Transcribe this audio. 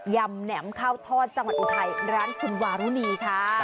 ๐๙๙๓๖๐๐๔๙๐ยำแหนมข้าวทอดจังหวันอุไทยร้านคุณวารุณีค่ะ